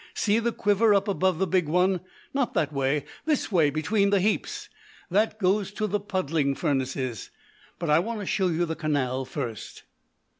See the quiver up above the big one. Not that way! This way, between the heaps. That goes to the puddling furnaces, but I want to show you the canal first."